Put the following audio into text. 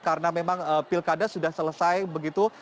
karena memang pilkada sudah selesai begitu